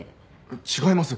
違います。